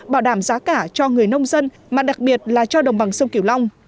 bảo đảm giá cả cho người nông dân mà đặc biệt là cho đồng bằng sông kiểu long